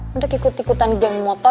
untuk ikut ikutan geng motor